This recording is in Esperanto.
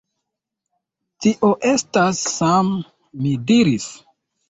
Tio estas Sam, mi diris.